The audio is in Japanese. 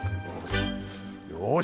よし！